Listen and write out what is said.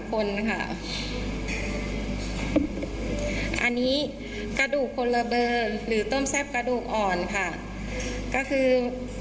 คนค่ะอันนี้กระดูกคนละเบอร์หรือต้มแซ่บกระดูกอ่อนค่ะก็คือ